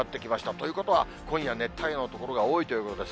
ということは、今夜熱帯夜の所が多いということです。